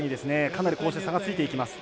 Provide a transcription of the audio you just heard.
かなり、こうして差がついていきます。